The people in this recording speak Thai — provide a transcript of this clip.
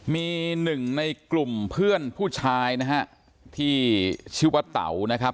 มีหนึ่งในกลุ่มเพื่อนผู้ชายนะฮะที่ชื่อว่าเต๋านะครับ